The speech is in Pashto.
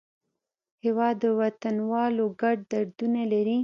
هېواد د وطنوالو ګډ دردونه لري.